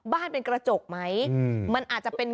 เป็นกระจกไหมมันอาจจะเป็น